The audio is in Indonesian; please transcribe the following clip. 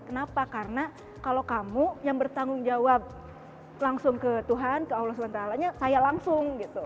kenapa karena kalau kamu yang bertanggung jawab langsung ke tuhan ke allah swt saya langsung gitu